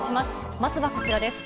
まずはこちらです。